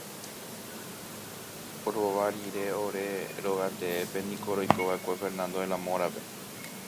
Rova rire ore rogateépe niko roikova'ekue Fernando de la Mora-pe.